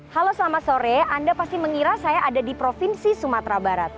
halo selamat sore anda pasti mengira saya ada di provinsi sumatera barat